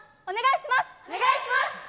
お願いします。